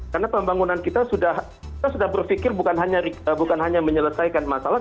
karena pembangunan kita sudah berpikir bukan hanya menyelesaikan masalah